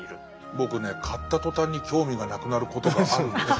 僕ね買った途端に興味がなくなることがあるんです。